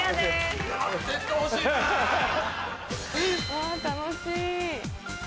わ楽しい！